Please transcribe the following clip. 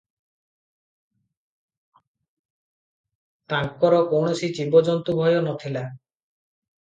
ତାଙ୍କର କୌଣସି ଜୀବଜନ୍ତୁ ଭୟ ନ ଥିଲା ।